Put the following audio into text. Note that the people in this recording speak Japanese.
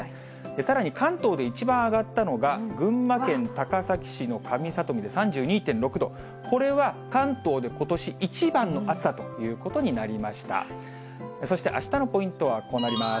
さらに関東で一番上がったのが、群馬県高崎市の上里見で３２．６度、これは関東でことし一番の暑さということになりました。